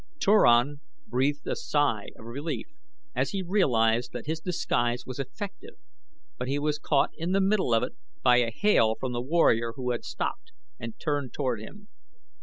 Turan breathed a sigh of relief as he realized that his disguise was effective, but he was caught in the middle of it by a hail from the warrior who had stopped and turned toward him.